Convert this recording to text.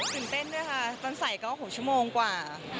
เต้นด้วยค่ะตอนใส่ก็๖ชั่วโมงกว่า